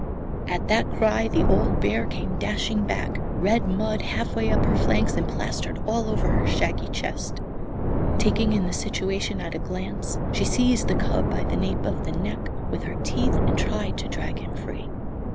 At that cry the old bear came dashing back, red mud half way up her flanks and plastered all over her shaggy chest. Taking in the situation at a glance, she seized the cub by the nape of the neck with her teeth, and tried to drag him free.